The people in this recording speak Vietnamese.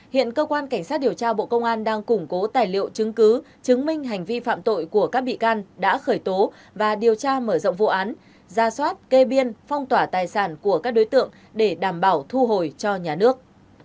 hiện cơ quan cảnh sát điều tra bộ công an đang củng cố tài liệu chứng cứ chứng minh hành vi phạm tội của các bị can đã khởi tố và điều tra mở rộng vụ án ra soát kê biên phong tỏa tài sản của các đối tượng để đảm bảo thu hồi cho nhà nước